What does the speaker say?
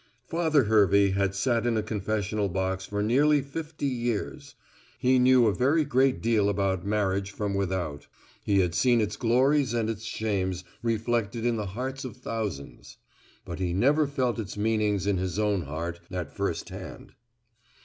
Father Hervey had sat in a confessional box for nearly fifty years. He knew a very great deal about marriage from without. He had seen its glories and its shames reflected in the hearts of thousands. But he never felt its meanings in his own heart, at first hand.